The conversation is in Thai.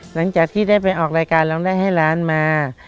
หลังจากที่ได้ไปออกรายการร้องได้ให้ล้านมา